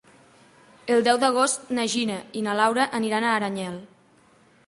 El deu d'agost na Gina i na Laura aniran a Aranyel.